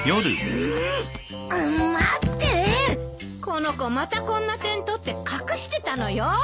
この子またこんな点取って隠してたのよ。